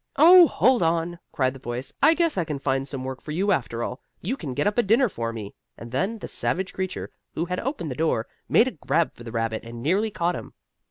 "Oh, hold on!" cried the voice. "I guess I can find some work for you after all. You can get up a dinner for me!" and then the savage creature, who had opened the door, made a grab for the rabbit and nearly caught him.